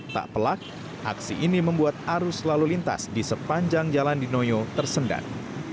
tak pelak aksi ini membuat arus lalu lintas di sepanjang jalan di noyo tersendat